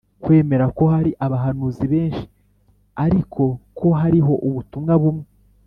kwemera ko hari abahanuzi benshi ariko ko hariho ubutumwa bumwe